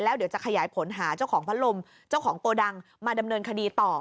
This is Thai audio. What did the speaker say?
แล้วเดี๋ยวจะขยายผลหาเจ้าของพัดลมเจ้าของโกดังมาดำเนินคดีต่อ